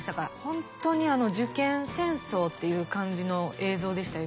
本当に受験戦争っていう感じの映像でしたよ